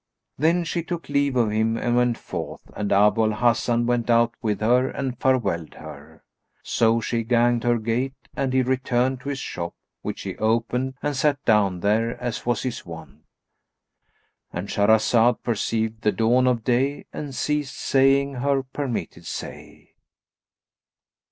Then she took leave of him and went forth and Abu al Hasan went out with her and farewelled her. So she ganged her gait and he returned to his shop, which he opened and sat down there, as was his wont;—And Shahrazad perceived the dawn of day and ceased saying her permitted say.